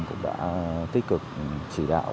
cũng đã tích cực chỉ đạo